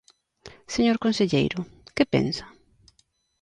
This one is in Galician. Señor conselleiro, ¿que pensa?